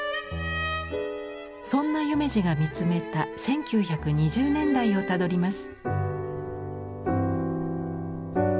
そんな夢二が見つめた１９２０年代をたどります。